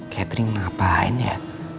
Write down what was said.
katering ngapain ya